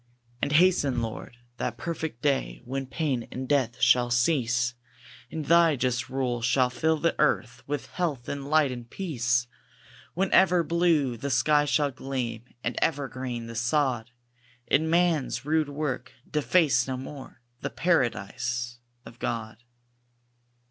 And hasten, Lord, that perfect day, When pain and death shall cease; And Thy just rule shall fill the earth With health, and light, and peace. When ever blue the sky shall gleam, And ever green the sod; And man's rude work deface no more The Paradise of God.